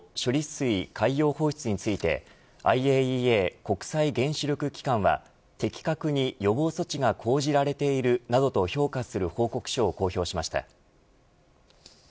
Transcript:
水海洋放出についてＩＡＥＡ、国際原子力機関は的確に予防措置が講じられているなどと評価する報告書を公表しました。